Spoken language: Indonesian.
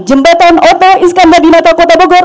jembatan oto iskandar di nato kota bogor